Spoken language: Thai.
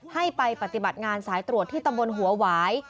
ให้ไปปฏิบัติงานสายตรวจที่ตำบลหัวหวาย